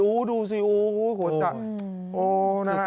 โอ้โหดูสิโอ้โหโอ้โหนะครับ